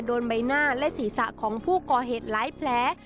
โดนใบหน้าและศีรษะของผู้ก่อเหตุไร้แพล้